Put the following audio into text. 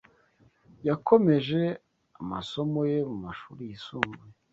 Yakomeje amasomo ye mu mashuri yisumbuye.